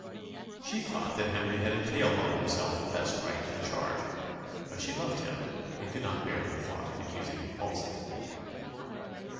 She thought that Henry had entailed on himself the best right to the charge; but she loved him, and could not bear the thought of accusing him falsely.